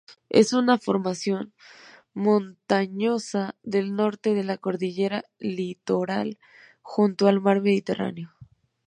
Es una formación montañosa del norte de la cordillera Litoral junto al mar Mediterráneo.